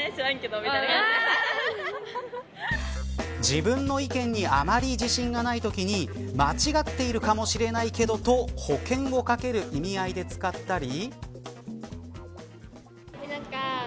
自分の意見にあまり自信がないときに間違っているかもしれないけどと保険をかける意味合いで使ったり。